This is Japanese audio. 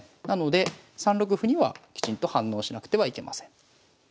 なので３六歩にはきちんと反応しなくてはいけません。